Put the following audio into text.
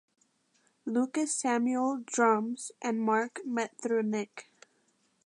Lukas Samuel (drums) and Mark met through Nick.